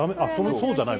そうじゃない。